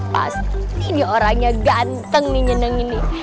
pasti ini orangnya ganteng nih nyeneng ini